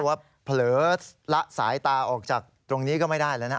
ว่าเผลอละสายตาออกจากตรงนี้ก็ไม่ได้แล้วนะ